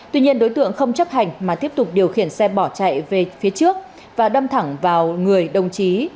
tuy nhiên đối tượng không chấp hành mà tiếp tục điều khiển xe bỏ chạy về phía trước và đâm thẳng vào người đồng chí